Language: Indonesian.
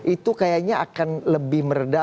itu kayaknya akan lebih meredah